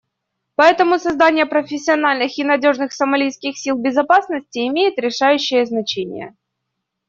Поэтому создание профессиональных и надежных сомалийских сил безопасности имеет решающее значение.